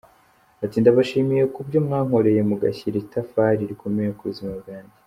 Ati “Ndabashimiye ku byo mwankoreye mugashyira itafari rikomeye ku buzima bwanjye.